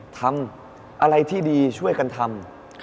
ทำอะไรที่ดีช่วยกันทำ